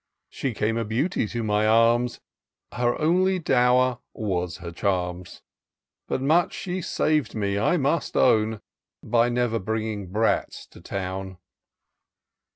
She came a beauty to my arms ; Her only dower was her charms : But much she sav'd me, I must own. By never bringing brats to town."